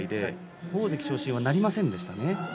大関昇進はなりませんでしたね。